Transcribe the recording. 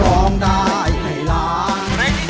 ร้องได้ให้ล้าน